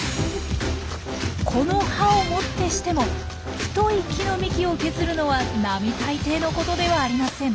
この歯をもってしても太い木の幹を削るのは並大抵のことではありません。